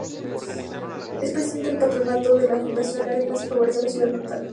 Es presidente del Patronato de la Fundación Lágrimas y Favores de su ciudad natal.